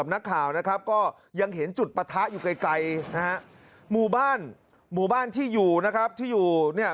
นะฮะหมู่บ้านหมู่บ้านที่อยู่นะครับที่อยู่เนี่ย